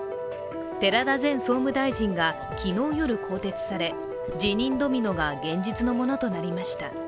寺田前総務大臣が昨日夜、更迭され辞任ドミノが現実のものとなりました。